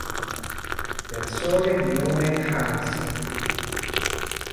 Persone di nome Hans